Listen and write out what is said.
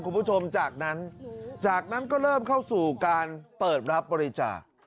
คุณผู้ชมจากนั้นจากนั้นก็เริ่มเข้าสู่การเปิดรับบริจาค